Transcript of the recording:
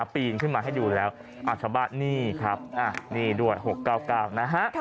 ปีนขึ้นมาให้ดูแล้วอัชบะนี่ครับนี่ด้วย๖๙๙นะฮะ